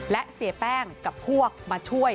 และเสียแป้งกับพวกมาช่วย